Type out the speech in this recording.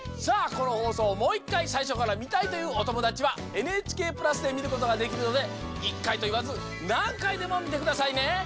このほうそうをもう１かいさいしょからみたいというおともだちはＮＨＫプラスでみることができるので１かいといわずなんかいでもみてくださいね。